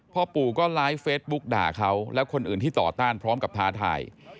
พ่อปู่ก็ไลฟ์เฟซบุ๊กด่าเขาแล้วคนอื่นที่ต่อต้านพร้อมกับท้าทาย